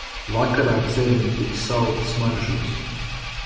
Vakarā ceriņi tik saldi smaržos.